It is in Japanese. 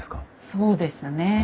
そうですね。